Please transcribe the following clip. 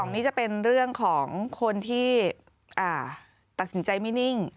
นี่จะเป็นเรื่องของคนที่ตัดสินใจไม่นิ่ง